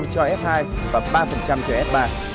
năm cho f hai và ba cho f ba